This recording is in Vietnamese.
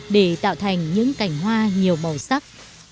để tạo thành những cảnh hoa nhiều màu sắc